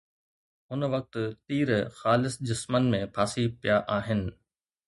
هن وقت تير خالص جسمن ۾ ڦاسي پيا آهن